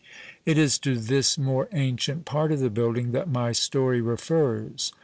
It is to this more ancient part of the building that my story refers.